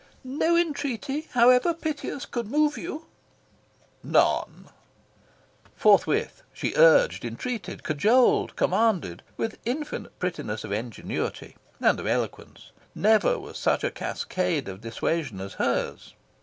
"No entreaty, howsoever piteous, could move you?" "None." Forthwith she urged, entreated, cajoled, commanded, with infinite prettiness of ingenuity and of eloquence. Never was such a cascade of dissuasion as hers.